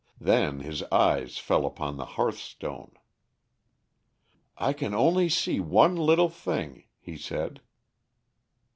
Then his eyes fell upon the hearthstone. "I can only see one little thing," he said.